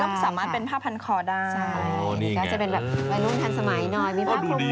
ก็สามารถเป็นผ้าพันคอได้ใช่น่าจะเป็นแบบวัยรุ่นทันสมัยหน่อยมีผ้าคลุม